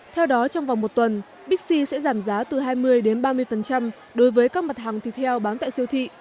theo đó trong vòng một tuần bixi sẽ giảm giá từ hai mươi đến ba mươi đối với các mặt hàng thịt heo bán tại siêu thị